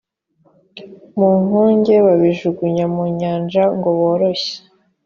mu nkuge babijugunya mu nyanja ngo boroshye